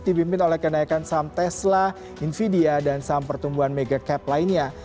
dipimpin oleh kenaikan saham tesla invidia dan saham pertumbuhan mega cap lainnya